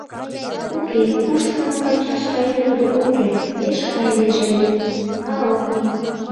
Уке, куштымым ончаш каен тудо ок керт, пеш кайынеже ыле, а ок лий.